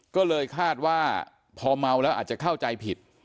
ก็เลยคาดว่าพอเมาแล้วอาจจะเข้าใจผิด